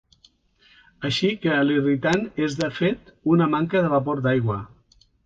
Així que l'irritant és de fet una manca de vapor d'aigua.